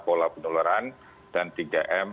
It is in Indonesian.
pola penularan dan tiga m